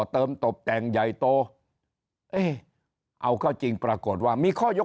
เติมตบแต่งใหญ่โตเอ๊ะเอาเข้าจริงปรากฏว่ามีข้อยก